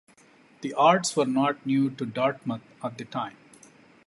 The arts were not new to Dartmouth at the time.